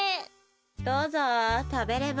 どうぞたべれば。